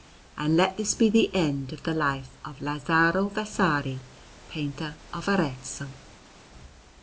And let this be the end of the Life of Lazzaro Vasari, painter of Arezzo.